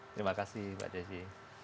terima kasih mbak desi